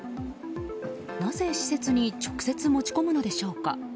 なぜ施設に直接、持ち込むのでしょうか。